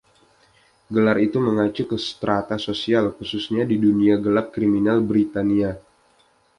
Gelar itu mengacu ke strata sosial, khususnya di dunia gelap kriminal Britania.